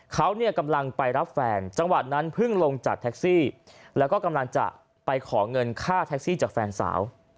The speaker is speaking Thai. เขาเนี่ยกำลังไปรับแฟนจังหวะนั้นเพิ่งลงจากแท็กซี่แล้วก็กำลังจะไปขอเงินค่าแท็กซี่จากแฟนสาว